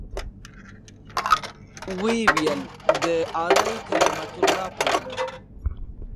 ويې ويل د اعلاى کلمة الله په لاره.